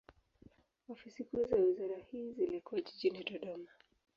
Ofisi kuu za wizara hii zilikuwa jijini Dodoma.